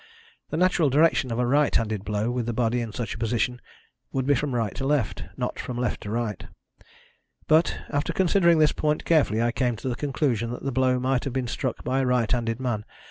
The natural direction of a right handed blow, with the body in such a position, would be from right to left not from left to right. But, after considering this point carefully, I came to the conclusion that the blow might have been struck by a right handed man.